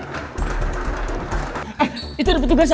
eh itu ada petugas ya